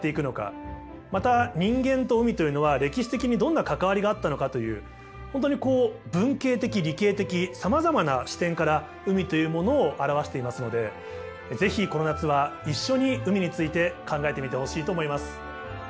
また人間と海というのは歴史的にどんな関わりがあったのかという本当にこう文系的理系的さまざまな視点から海というものを表していますので是非この夏は一緒に海について考えてみてほしいと思います。